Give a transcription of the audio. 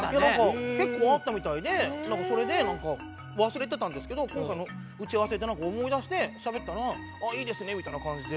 結構あったみたいでそれで忘れてたんですけど今回の打ち合わせで思い出してしゃべったら「いいですね」みたいな感じで。